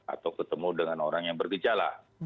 atau ketemu dengan orang yang bergejala